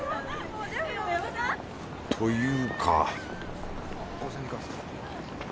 というか